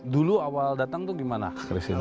dulu awal datang itu gimana kris ini